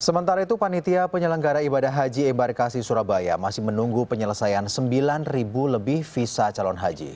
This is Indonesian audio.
sementara itu panitia penyelenggara ibadah haji embarkasi surabaya masih menunggu penyelesaian sembilan lebih visa calon haji